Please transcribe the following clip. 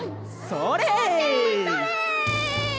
それ！